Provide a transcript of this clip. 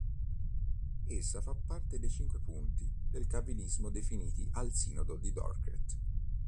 Essa fa parte dei cinque punti del Calvinismo definiti al Sinodo di Dordrecht.